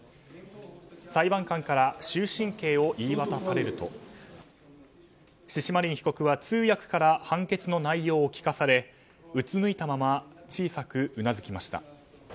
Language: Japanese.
裁判官から終身刑を言い渡されるとシシマリン被告は通訳から判決の内容を聞かされうつむいたまま小さくうなずきました。